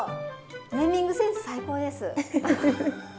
ネーミングセンス最高です！